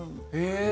え！